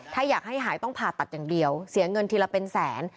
ถ้าอยากให้หายต้องผ่าตัดอย่างเดียวเสียเงินทีละเป็นแสน